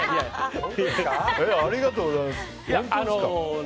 ありがとうございます。